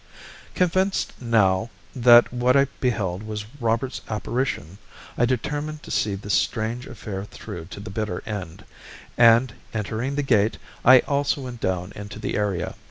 "Convinced now that what I beheld was Robert's apparition, I determined to see the strange affair through to the bitter end, and entering the gate, I also went down into the area.